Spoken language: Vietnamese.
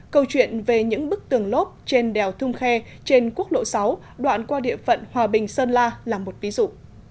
câu chuyện về những bức tường lốp trên đèo thung khe trên quốc lộ sáu đoạn qua địa phận hòa bình sơn la là một ví dụ